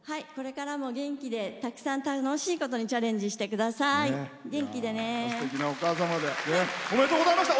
これからも元気でたくさん楽しいことにチャレンジしてください。